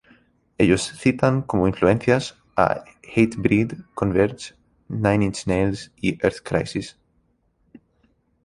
Ellos citan como influencias a Hatebreed, Converge, Nine Inch Nails y Earth Crisis.